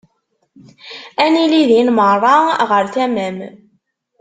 Ad nili din merra ɣer tama-m.